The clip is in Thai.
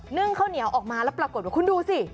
ึ่งข้าวเหนียวออกมาแล้วปรากฏว่าคุณดูสิ